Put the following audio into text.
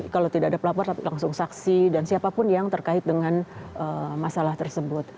kalau tidak ada pelapor langsung saksi dan siapapun yang terkait dengan masalah tersebut